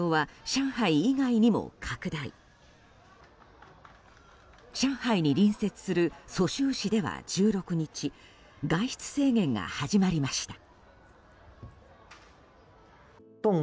上海に隣接する蘇州市では１６日外出制限が始まりました。